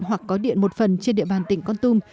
hoặc có điện một phần trên địa bàn tỉnh con tum